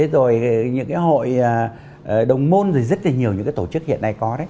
rồi những hội đồng môn rất nhiều những tổ chức hiện nay có